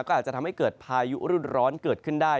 ก็อาจจะทำให้เกิดพายุรุ่นร้อนเกิดขึ้นได้